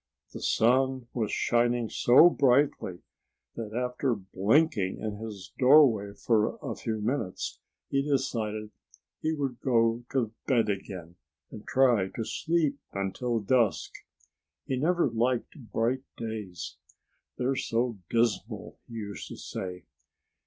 The sun was shining so brightly that after blinking in his doorway for a few minutes he decided that he would go to bed again and try to sleep until dusk. He never liked bright days. "They're so dismal!" he used to say.